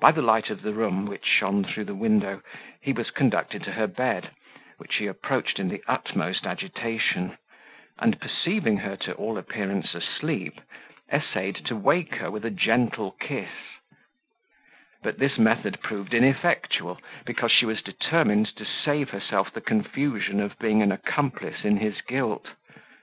By the light of the room, which shone through the window, he was conducted to her bed, which he approached in the utmost agitation; and perceiving her to all appearance asleep, essayed to wake her with a gentle kiss; but this method proved ineffectual, because she was determined to save herself the confusion of being an accomplice in his guilt.